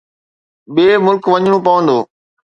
ٻئي ملڪ وڃڻو پوندو